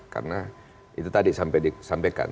karena itu tadi sampai disampaikan